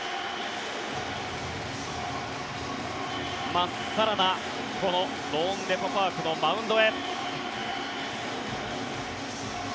まっさらなこのローンデポ・パークのマウンドへ。